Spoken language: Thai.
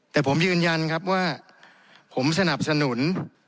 แต่ผมยืนยันครับว่าผมสนับสนุน